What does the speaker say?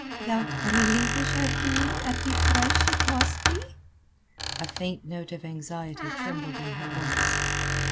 "Thou'lt relinquish her to me at the price she cost thee?" A faint note of anxiety trembled in her voice.